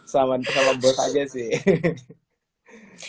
sama kalau bos aja sih